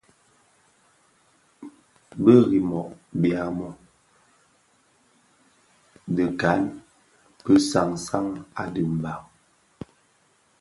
Bi Rimoh (Biamo) et Gahn bi sansan a dimbag.